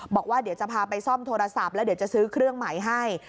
บอกว่าเดี๋ยวจะพาไปซ่อมโทรศัพท์แล้วเดี๋ยวจะซื้อเครื่องใหม่ให้